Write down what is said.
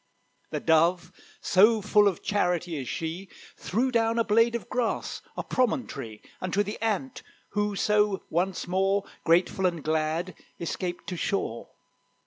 The Dove, so full of charity is she, Threw down a blade of grass, a promontory, Unto the Ant, who so once more, Grateful and glad, escaped to shore.